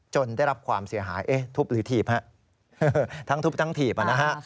จนได้รับความเสียหายทุบหรือถีบฮะทั้งทุบทั้งถีบ